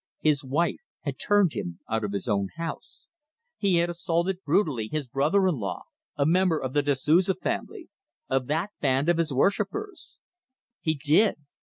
His wife had turned him out of his own house. He had assaulted brutally his brother in law, a member of the Da Souza family of that band of his worshippers. He did.